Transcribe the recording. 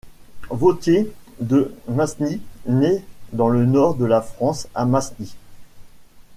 Wauthier de Masny naît dans le Nord de la France à Masny.